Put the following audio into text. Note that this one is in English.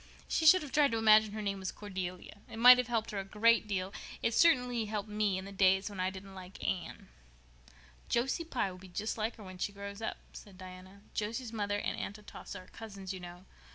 She should have tried to imagine her name was Cordelia. It might have helped her a great deal. It certainly helped me in the days when I didn't like Anne." "Josie Pye will be just like her when she grows up," said Diana. "Josie's mother and Aunt Atossa are cousins, you know.